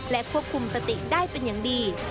และควบคุมสติได้เป็นอย่างดี